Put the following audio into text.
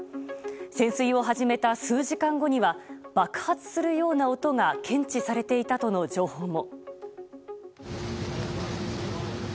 潜水を始めた数時間後には爆発するような音が検知されていたとの情報も。